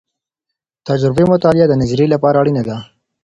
تجربي مطالعه د نظريې لپاره اړينه ده.